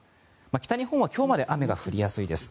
北日本は今日まで雨が降りやすいです。